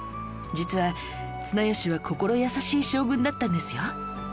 実は綱吉は心優しい将軍だったんですよ